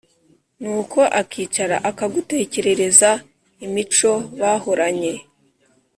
n’uko akicara aka gutekerereza imico bahoranye,